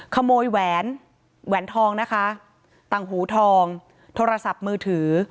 แหวนแหวนแหวนทองนะคะต่างหูทองโทรศัพท์มือถือ